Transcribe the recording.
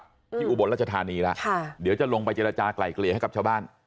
ที่อุบลรัชธานีแล้วค่ะเดี๋ยวจะลงไปเจรจากลายเกลี่ยให้กับชาวบ้าน